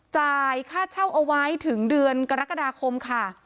จ่ายค่าเช่าเอาไว้ถึงเดือนกรกฎาคมค่ะ